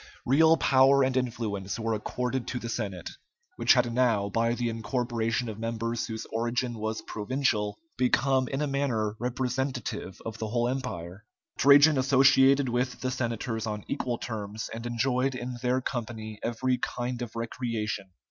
Real power and influence were accorded to the Senate, which had now, by the incorporation of members whose origin was provincial, become in a manner representative of the whole empire. Trajan associated with the senators on equal terms, and enjoyed in their company every kind of recreation.